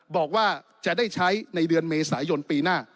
บอกว่าจะได้ใช้ในเดือนเมษายนปีหน้า